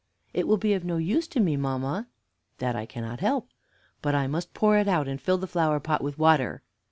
"It will be of no use to me, mamma." "That I cannot help." "But I must pour it out, and fill the flower pot with water."